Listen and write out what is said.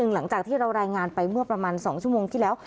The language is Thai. หลังจากที่เรารายงานไปเมื่อประมาณ๒ชั่วโมงที่แล้ว